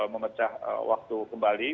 memecah waktu kembali